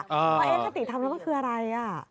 ว่าคติธรรมนั้นว่าคืออะไร